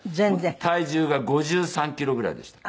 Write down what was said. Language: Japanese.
体重が５３キロぐらいでした。